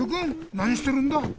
なにしてるんだ？